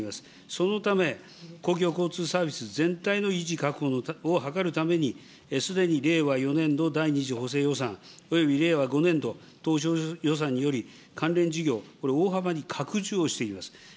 そのため、公共交通サービス全体の維持、確保を図るために、すでに令和４年度第２次補正予算および令和５年度当初予算により、関連事業、大幅に拡充をしています。